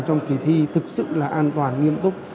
trong kỳ thi thực sự là an toàn nghiêm túc